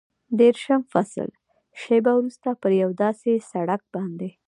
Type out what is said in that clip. دېرشم فصل، شېبه وروسته پر یو داسې سړک باندې.